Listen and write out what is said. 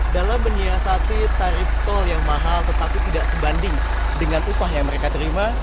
dalam menyiasati tarif tol yang mahal tetapi tidak sebanding dengan upah yang mereka terima